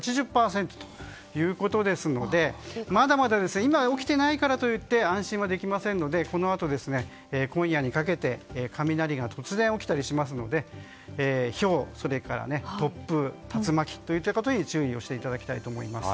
８０％というところもありますのでまだまだ今、起きていないからといって安心はできませんのでこのあと、今夜にかけて雷が突然起きたりしますのでひょう、それから突風や竜巻に注意をしていただきたいと思います。